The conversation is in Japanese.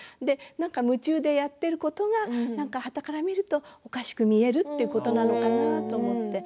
なんか夢中でやっていることが端から見るとおかしく見えるということなのかなと思って。